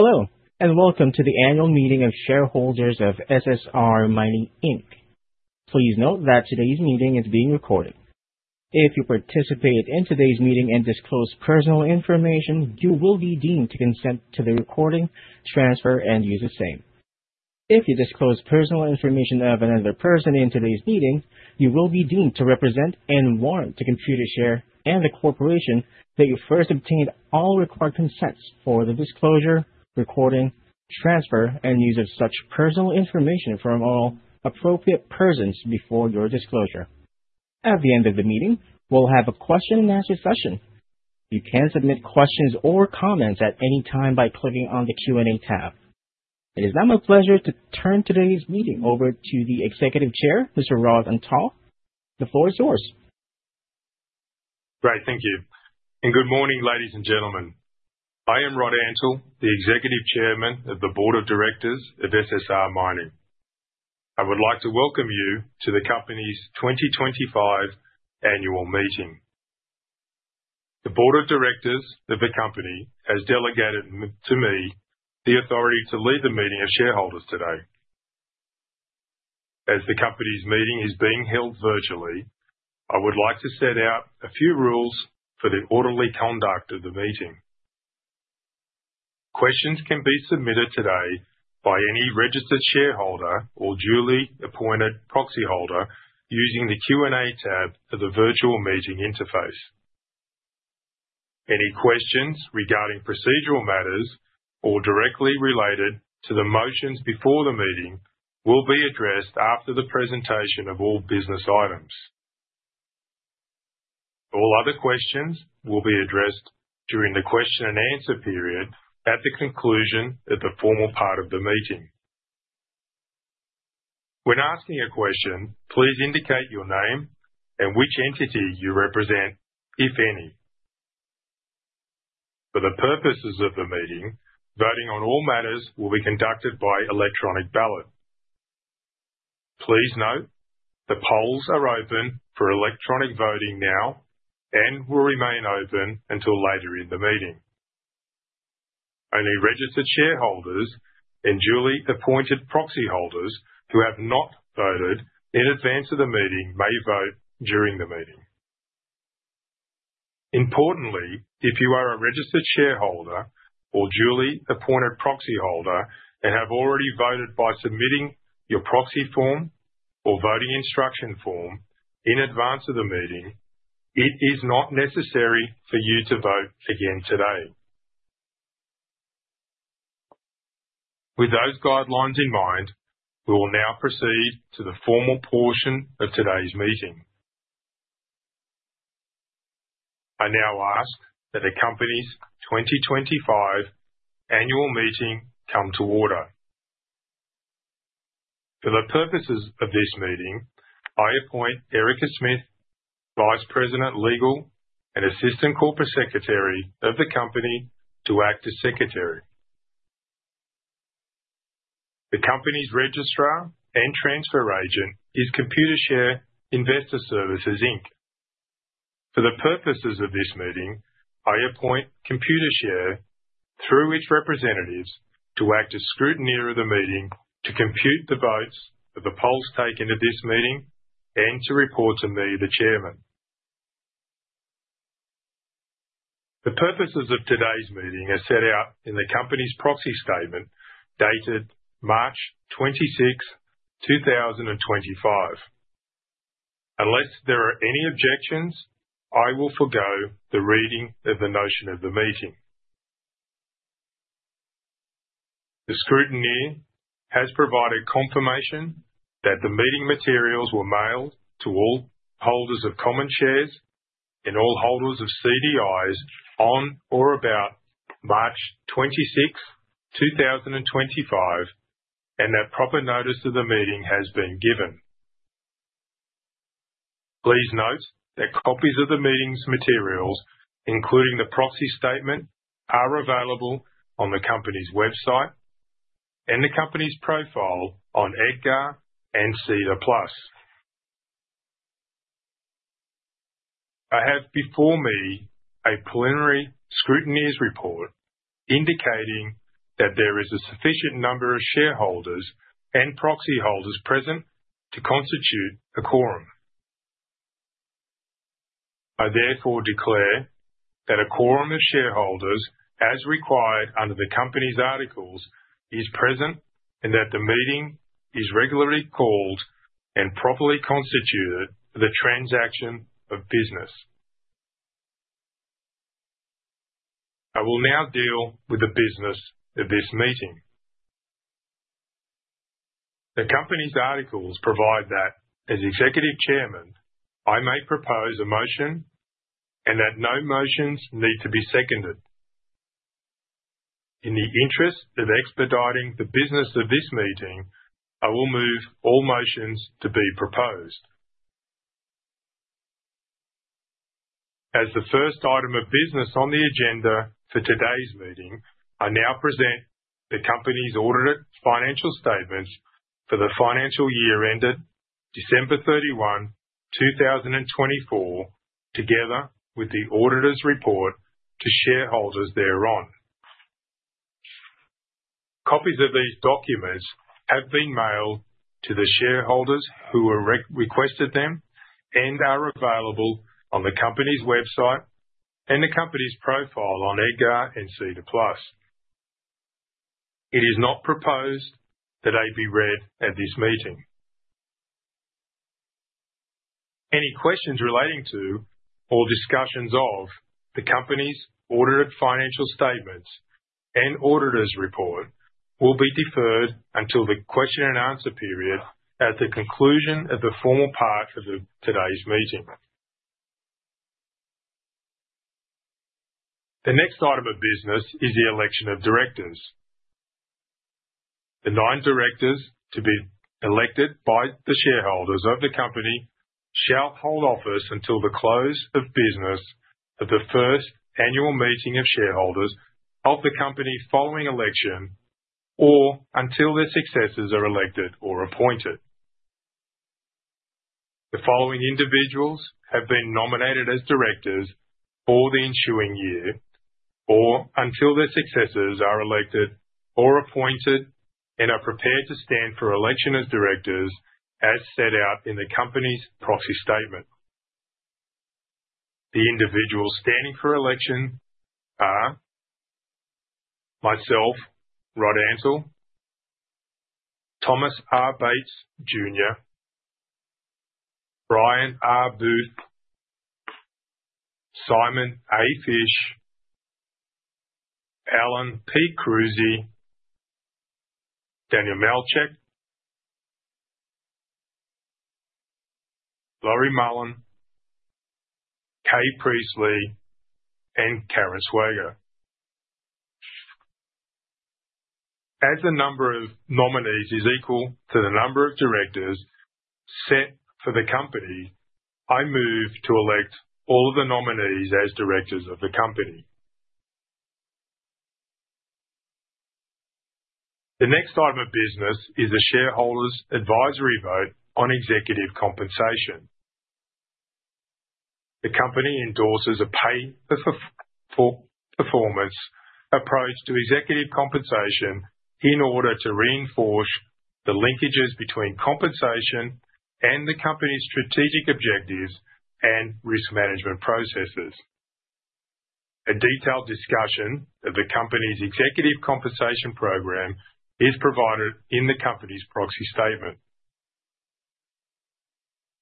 Hello, and welcome to the annual meeting of shareholders of SSR Mining Inc. Please note that today's meeting is being recorded. If you participate in today's meeting and disclose personal information, you will be deemed to consent to the recording, transfer, and use of same. If you disclose personal information of another person in today's meeting, you will be deemed to represent and warrant to Computershare and the corporation that you first obtained all required consents for the disclosure, recording, transfer, and use of such personal information from all appropriate persons before your disclosure. At the end of the meeting, we'll have a question-and-answer session. You can submit questions or comments at any time by clicking on the Q&A tab. It is now my pleasure to turn today's meeting over to the Executive Chair, Mr. Rod Antal, before his words. Right, thank you. Good morning, ladies and gentlemen. I am Rod Antal, the Executive Chairman of the Board of Directors of SSR Mining. I would like to welcome you to the company's 2025 annual meeting. The Board of Directors of the company has delegated to me the authority to lead the meeting of shareholders today. As the company's meeting is being held virtually, I would like to set out a few rules for the orderly conduct of the meeting. Questions can be submitted today by any registered shareholder or duly appointed proxy holder using the Q&A tab of the virtual meeting interface. Any questions regarding procedural matters or directly related to the motions before the meeting will be addressed after the presentation of all business items. All other questions will be addressed during the question-and-answer period at the conclusion of the formal part of the meeting. When asking a question, please indicate your name and which entity you represent, if any. For the purposes of the meeting, voting on all matters will be conducted by electronic ballot. Please note, the polls are open for electronic voting now and will remain open until later in the meeting. Only registered shareholders and duly appointed proxy holders who have not voted in advance of the meeting may vote during the meeting. Importantly, if you are a registered shareholder or duly appointed proxy holder and have already voted by submitting your proxy form or voting instruction form in advance of the meeting, it is not necessary for you to vote again today. With those guidelines in mind, we will now proceed to the formal portion of today's meeting. I now ask that the company's 2025 annual meeting come to order. For the purposes of this meeting, I appoint Erica Smith, Vice President Legal and Assistant Corporate Secretary of the company to act as Secretary. The company's registrar and transfer agent is Computershare Investor Services, Inc. For the purposes of this meeting, I appoint Computershare through its representatives to act as scrutineer of the meeting to compute the votes of the polls taken at this meeting and to report to me, the Chairman. The purposes of today's meeting are set out in the company's proxy statement dated March 26, 2025. Unless there are any objections, I will forgo the reading of the notion of the meeting. The scrutineer has provided confirmation that the meeting materials were mailed to all holders of common shares and all holders of CDIs on or about March 26, 2025, and that proper notice of the meeting has been given. Please note that copies of the meeting's materials, including the proxy statement, are available on the company's website and the company's profile on EDGAR and SEDAR+. I have before me a preliminary scrutineer's report indicating that there is a sufficient number of shareholders and proxy holders present to constitute a quorum. I therefore declare that a quorum of shareholders, as required under the company's articles, is present and that the meeting is regularly called and properly constituted for the transaction of business. I will now deal with the business of this meeting. The company's articles provide that, as Executive Chairman, I may propose a motion and that no motions need to be seconded. In the interest of expediting the business of this meeting, I will move all motions to be proposed. As the first item of business on the agenda for today's meeting, I now present the company's audited financial statements for the financial year ended December 31, 2024, together with the auditor's report to shareholders thereon. Copies of these documents have been mailed to the shareholders who requested them and are available on the company's website and the company's profile on EDGAR and SEDAR+. It is not proposed that they be read at this meeting. Any questions relating to or discussions of the company's audited financial statements and auditor's report will be deferred until the question-and-answer period at the conclusion of the formal part of today's meeting. The next item of business is the election of directors. The nine directors to be elected by the shareholders of the company shall hold office until the close of business of the first annual meeting of shareholders of the company following election or until their successors are elected or appointed. The following individuals have been nominated as directors for the ensuing year or until their successors are elected or appointed and are prepared to stand for election as directors, as set out in the company's proxy statement. The individuals standing for election are myself, Rod Antal, Thomas R. Bates, Jr., Simon A. Fish, Brian R. Booth, Alan P. Krusi, Daniel Malchuk, Laura Mullen, Kay Priestley, and Karen Swager. As the number of nominees is equal to the number of directors set for the company, I move to elect all of the nominees as directors of the company. The next item of business is the shareholders' advisory vote on executive compensation. The company endorses a pay-for-performance approach to executive compensation in order to reinforce the linkages between compensation and the company's strategic objectives and risk management processes. A detailed discussion of the company's executive compensation program is provided in the company's proxy statement.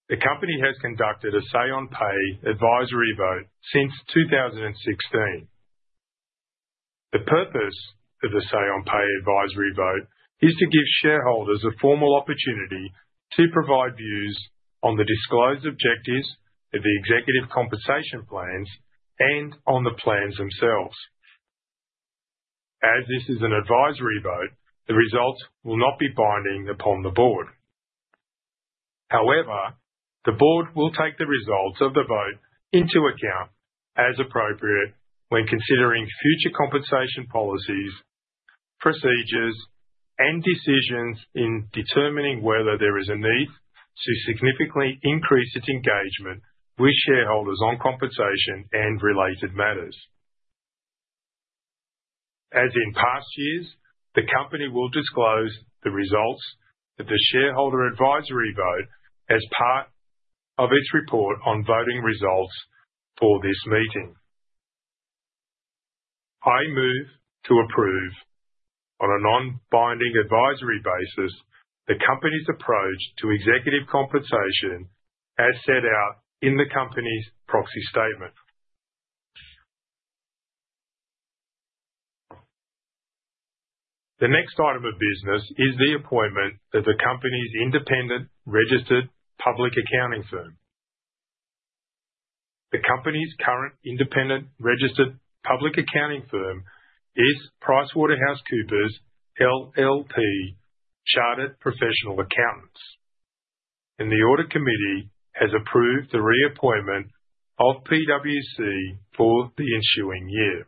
The company has conducted a say-on-pay advisory vote since 2016. The purpose of the say-on-pay advisory vote is to give shareholders a formal opportunity to provide views on the disclosed objectives of the executive compensation plans and on the plans themselves. As this is an advisory vote, the results will not be binding upon the board. However, the board will take the results of the vote into account as appropriate when considering future compensation policies, procedures, and decisions in determining whether there is a need to significantly increase its engagement with shareholders on compensation and related matters. As in past years, the company will disclose the results of the shareholder advisory vote as part of its report on voting results for this meeting. I move to approve on a non-binding advisory basis the company's approach to executive compensation as set out in the company's proxy statement. The next item of business is the appointment of the company's independent registered public accounting firm. The company's current independent registered public accounting firm is PricewaterhouseCoopers LLP, Chartered Professional Accountants. The audit committee has approved the reappointment of PwC for the ensuing year.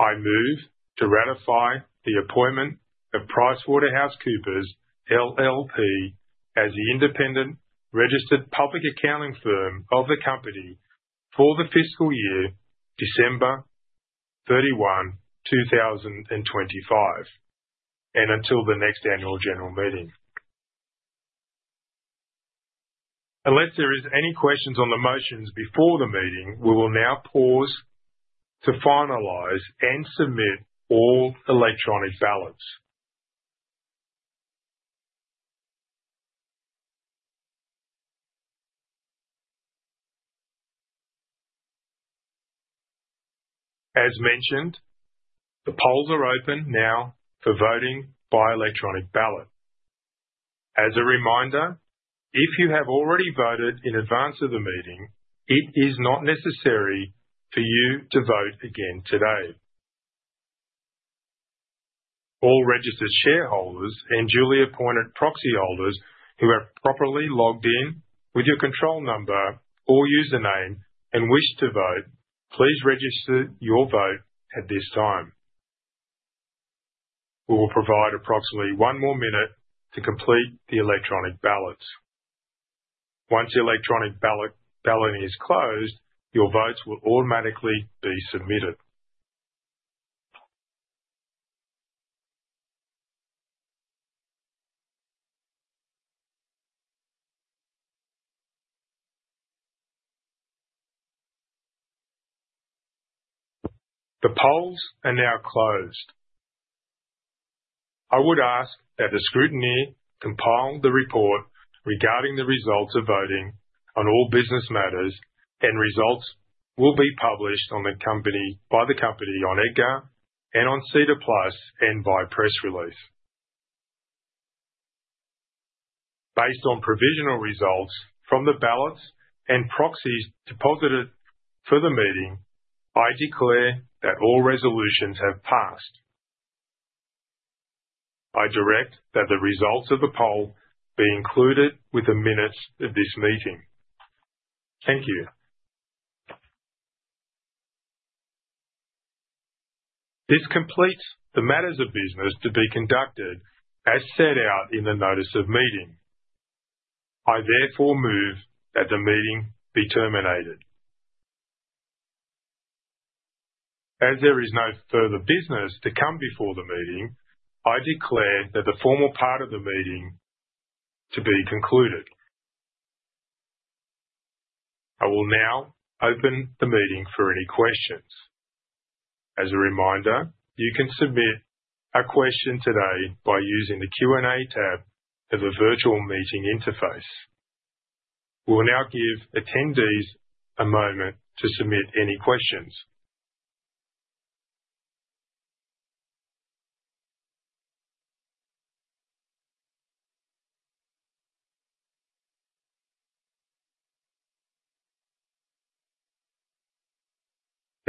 I move to ratify the appointment of PricewaterhouseCoopers LLP as the independent registered public accounting firm of the company for the fiscal year December 31, 2025, and until the next annual general meeting. Unless there are any questions on the motions before the meeting, we will now pause to finalize and submit all electronic ballots. As mentioned, the polls are open now for voting by electronic ballot. As a reminder, if you have already voted in advance of the meeting, it is not necessary for you to vote again today. All registered shareholders and duly appointed proxy holders who are properly logged in with your control number or username and wish to vote, please register your vote at this time. We will provide approximately one more minute to complete the electronic ballots. Once the electronic ballot is closed, your votes will automatically be submitted. The polls are now closed. I would ask that the scrutineer compile the report regarding the results of voting on all business matters, and results will be published by the company on EDGAR and on SEDAR+ and by press release. Based on provisional results from the ballots and proxies deposited for the meeting, I declare that all resolutions have passed. I direct that the results of the poll be included with the minutes of this meeting. Thank you. This completes the matters of business to be conducted as set out in the notice of meeting. I therefore move that the meeting be terminated. As there is no further business to come before the meeting, I declare that the formal part of the meeting to be concluded. I will now open the meeting for any questions. As a reminder, you can submit a question today by using the Q&A tab of the virtual meeting interface. We'll now give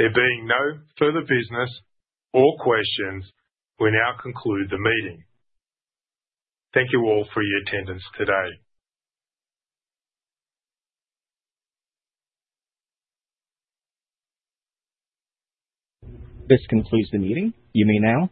attendees a moment to submit any questions. There being no further business or questions, we now conclude the meeting. Thank you all for your attendance today. This concludes the meeting. You may now.